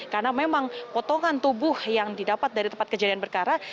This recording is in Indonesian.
karena memang potongan tubuh yang didapat dari tempat kejadian berkara